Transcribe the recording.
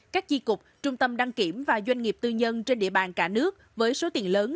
các chi cục trung tâm đăng kiểm và doanh nghiệp tư nhân trên địa bàn cả nước với số tiền lớn